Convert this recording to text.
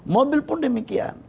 mobil pun demikian